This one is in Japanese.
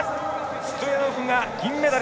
ストヤノフ、銀メダル。